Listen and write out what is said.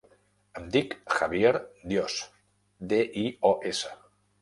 Em dic Javier Dios: de, i, o, essa.